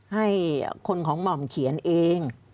ให้คนของหม่อมเขียนเอง